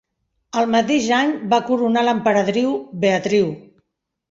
El mateix any va coronar l'emperadriu Beatriu.